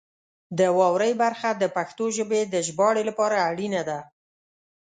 د واورئ برخه د پښتو ژبې د ژباړې لپاره اړینه ده.